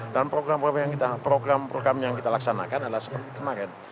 dan program program yang kita laksanakan adalah seperti kemarin